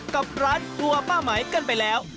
กับร้านครัวป้าไหมกันไปแล้ว